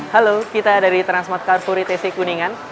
halo kita dari transmart kartu rtc kuningan